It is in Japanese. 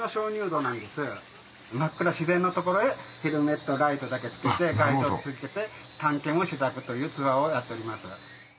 真っ暗自然の所へヘルメットライトだけつけてガイドをつけて探検をしていただくというツアーをやっております。